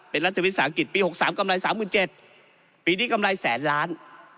เป็นรัฐวิทย์ศาลอังกฤษปีหกสามกำไรสามหมื่นเจ็ดปีนี้กำไรแสนล้าน